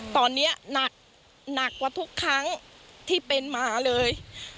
ตอนนี้หนักหนักกว่าทุกครั้งที่เป็นหมาเลย